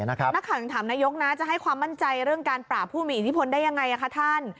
นักข่าวถึงถามนายกนะจะให้ความมั่นใจเรื่องการปราบผู้มีอิทธิพลได้ยังไงคะท่าน